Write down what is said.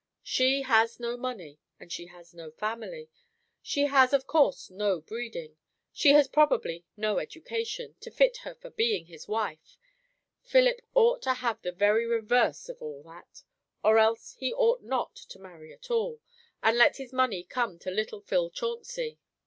She has no money, and she has no family; she has of course no breeding; she has probably no education, to fit her for being his wife. Philip ought to have the very reverse of all that. Or else he ought not to marry at all, and let his money come to little Phil Chauncey."